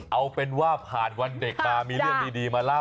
เอาเป็นว่าผ่านวันเด็กมามีเรื่องดีมาเล่า